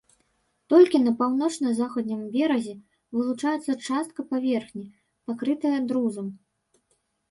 Толькі на паўночна-заходнім беразе вылучаецца частка паверхні, пакрытая друзам.